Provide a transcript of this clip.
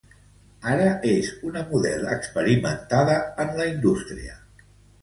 Ara, és una model experimentada en la indústria.